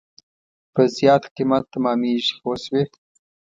په زیات قیمت تمامېږي پوه شوې!.